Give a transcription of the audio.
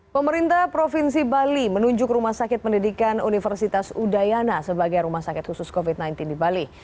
pemerintah provinsi bali menunjuk rumah sakit pendidikan universitas udayana sebagai rumah sakit khusus covid sembilan belas di bali